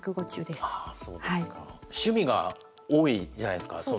あそうですか。趣味が多いじゃないですか。